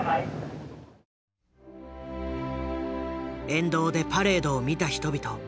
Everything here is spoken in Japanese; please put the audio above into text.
沿道でパレードを見た人々。